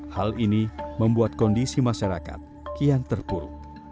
hal ini membuat kondisi masyarakat kian terpuruk